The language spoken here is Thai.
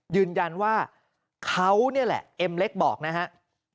ยืนยันว่าเขานี่แหละเอ็มเล็กบอกนะครับ